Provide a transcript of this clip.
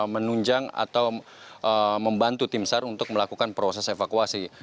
menunjang atau membantu tim sar untuk melakukan proses evakuasi